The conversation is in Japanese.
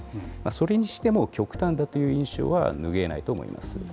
それにしても、極端だという印象は拭えないと思います。